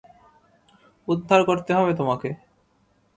উদ্ধার করতে হবে তোমাকে?